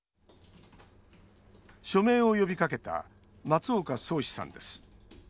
署名を呼びかけた松岡宗嗣さんです。